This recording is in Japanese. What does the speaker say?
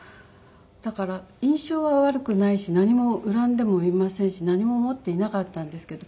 だから印象は悪くないし何も恨んでもいませんし何も思っていなかったんですけど